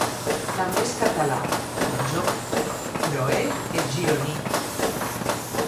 També és català, com jo, però ell és gironí.